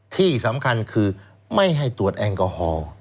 ที่สำคัญคือไม่ให้ตรวจแอลกอฮอล์